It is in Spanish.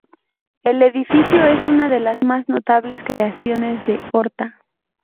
El edificio es una de las más notables creaciones de Horta.